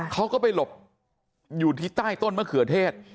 เขาก็ไปหลบอยู่ที่ใต้ต้นมะเขือเทศ